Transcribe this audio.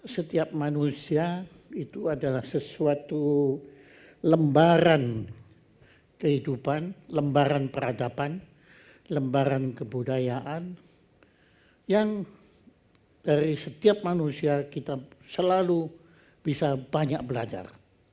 setiap manusia itu adalah sesuatu lembaran kehidupan lembaran peradaban lembaran kebudayaan yang dari setiap manusia kita selalu bisa banyak belajar